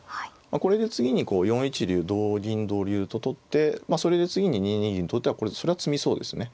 これで次に４一竜同銀同竜と取ってそれで次に２二銀という手はそれは詰みそうですね。